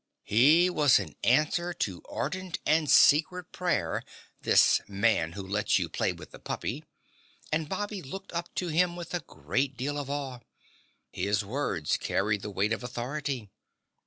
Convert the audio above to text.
He was an answer to ardent and secret prayer, this Man Who Lets You Play with the Puppy, and Bobby looked up to him with a great deal of awe; his words carried the weight of authority.